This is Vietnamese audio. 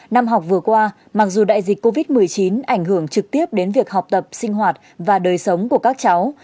năm học vừa qua mặc dù đại dịch covid một mươi chín ảnh hưởng trực tiếp đến việc học tập sinh hoạt và đời sống của các cháu